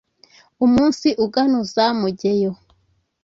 umunsi uganuza mugeyo